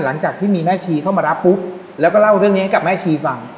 หลังจากที่มีแม่ชีเข้ามารับปุ๊บแล้วก็เล่าเรื่องนี้ให้กับแม่ชีฟัง